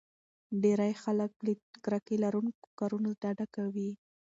ډېری خلک له کرکې لرونکو کارونو ډډه کوي.